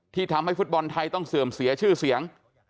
ที่ทำให้ฟุตบอลไทยต้องเสื่อมเสียชื่อเสียง